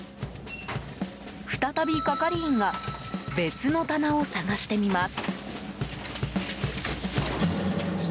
再び、係員が別の棚を探してみます。